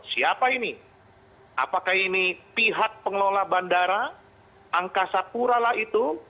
siapa ini apakah ini pihak pengelola bandara angkasa pura lah itu